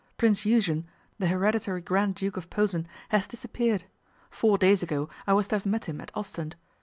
Prince Eugen, the hereditary Grand Duke of Posen, has disappeared. Four days ago I was to have met him at Ostend.